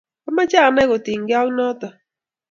Amache anai kotinyke ak notok